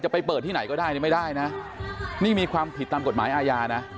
ไปเปิดที่ไหนก็ได้เนี่ยไม่ได้นะนี่มีความผิดตามกฎหมายอาญานะ